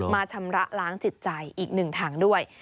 ชำระล้างจิตใจอีกหนึ่งถังด้วย